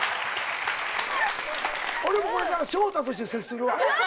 俺もこれからしょうたとして接するわ。